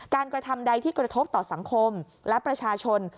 กระทำใดที่กระทบต่อสังคมและประชาชน